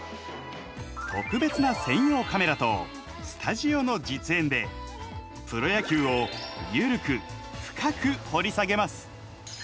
特別な専用カメラとスタジオの実演でプロ野球をゆるく、深く掘り下げます。